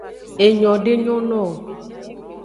Enyo de nyo no wo.